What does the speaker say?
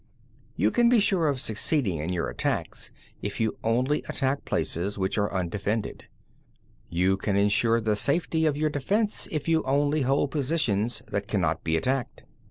7. You can be sure of succeeding in your attacks if you only attack places which are undefended. You can ensure the safety of your defence if you only hold positions that cannot be attacked. 8.